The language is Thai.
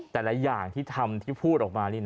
แต่ละอย่างที่ทำที่พูดออกมานี่นะ